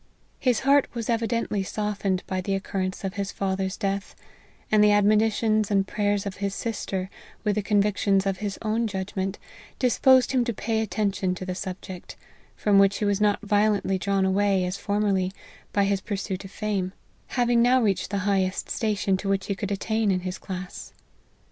His heart was evidently softened by the occurrence of his father's death ; and the admonitions and prayers of his sis ter, with the convictions of his own judgment, dis posed him to pay attention to the subject, from which he was not violently drawn away, as formerly, by his pursuit of fame, having now reached the high est station to which he could attain in his class.